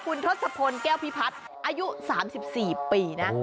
คุณทศพลแก้วพิพัฒน์อายุ๓๔ปีนะ